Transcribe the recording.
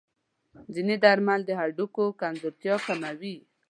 ځینې درمل د هډوکو کمزورتیا کموي.